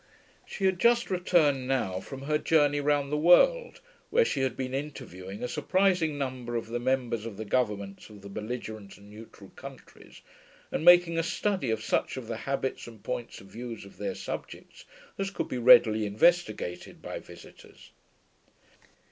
She had just returned now from her journey round the world, where she had been interviewing a surprising number of the members of the governments of the belligerent and neutral countries and making a study of such of the habits and points of view of their subjects as could be readily investigated by visitors.